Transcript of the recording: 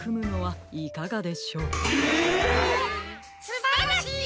すばらしい！